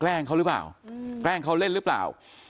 ล้งเขาหรือเปล่าแกล้งเขาเล่นหรือเปล่า